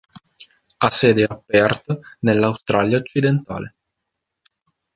Ha sede a Perth nell'Australia occidentale.